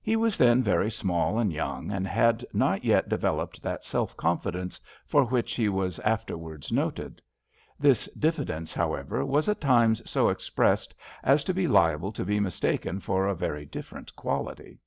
He was then very small and young, and had not yet developed that self confidence for which he was after wards noted. This diffidence, however, was at times so expressed as to be liable to be mistaken for a very different quality.